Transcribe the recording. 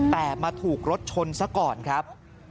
แต่มาถูกรถชนซะก่อนครับ